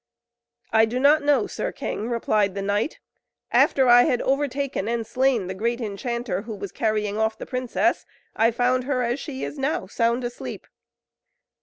"I do not know, Sir King," replied the knight. "After I had overtaken and slain the great enchanter, who was carrying off the princess, I found her as she is now, sound asleep."